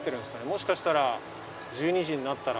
もしかしたら。